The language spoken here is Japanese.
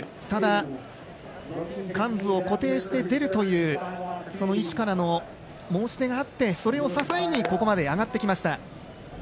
ただ、患部を固定して出るという医師からの申し出があってそれを支えにここまで上がってきました。